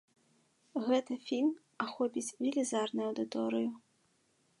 Гэта фільм ахопіць велізарную аўдыторыю.